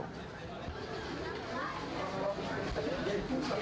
yang ketiga tempat tembakanan yang brazilian yang racial dan karena ditambah tipe ini